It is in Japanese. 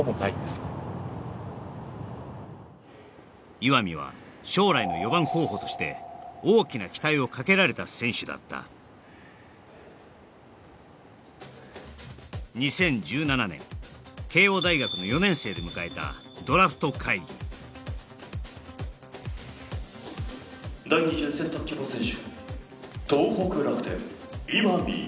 岩見は将来の４番候補として大きな期待をかけられた選手だった２０１７年慶應大学の４年生で迎えたドラフト会議第２巡選択希望選手